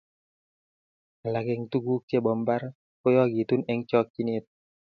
Alak eng tukuk che bo mbar koyookitun eng chokchine.